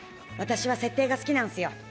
私は設定が好きなんすよ。